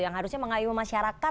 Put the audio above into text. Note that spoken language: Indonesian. yang harusnya mengayuhi masyarakat